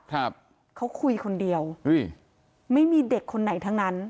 ครับเขาคุยคนเดียวอุ้ยไม่มีเด็กคนไหนทั้งนั้น